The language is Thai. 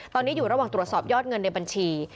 ตอนนี้อยู่ระหว่างตรวจสอบยอดเงินในบัญชี